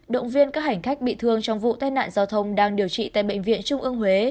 động viên các hành khách bị thương trong vụ tai nạn giao thông đang điều trị tại bệnh viện trung ương huế